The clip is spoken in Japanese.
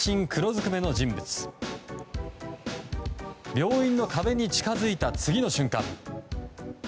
病院の壁に近づいた次の瞬間。